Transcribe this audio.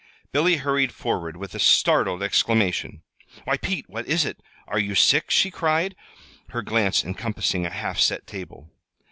Billy hurried forward with a startled exclamation. "Why, Pete, what is it? Are you sick?" she cried, her glance encompassing the half set table.